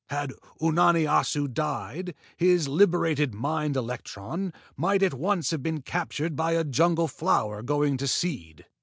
Had Unani Assu died, his liberated mind electron might at once have been captured by a jungle flower going to seed.